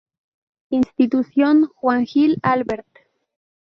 Institución Juan Gil Albert.